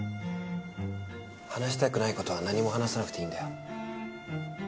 話したくない事は何も話さなくていいんだよ。